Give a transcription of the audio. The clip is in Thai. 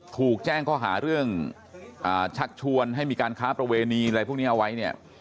ถูกแจ้งข้อหาเรื่องชักชวนให้มีการค้าประเวณีอะไรพวกนี้เอาไว้เนี่ย